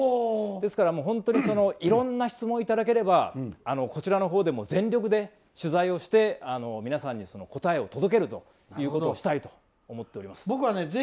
ですから本当にいろんな質問をいただければこちらのほうでも全力で取材をして皆さんに答えを届けたいと思っております。